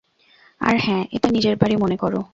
আহ, হ্যাঁ - এটা নিজের বাড়ি মনে করো।